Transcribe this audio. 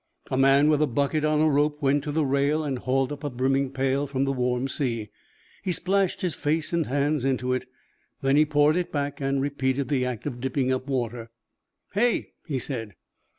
A man with a bucket on a rope went to the rail and hauled up a brimming pail from the warm sea. He splashed his face and hands into it. Then he poured it back and repeated the act of dipping up water. "Hey!" he said.